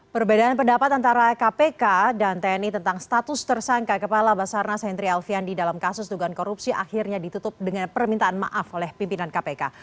perbedaan pendapat antara kpk dan tni tentang status tersangka kepala basarnas henry alfian di dalam kasus dugaan korupsi akhirnya ditutup dengan permintaan maaf oleh pimpinan kpk